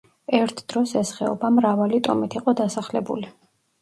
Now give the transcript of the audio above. ერთ დროს ეს ხეობა მრავალი ტომით იყო დასახლებული.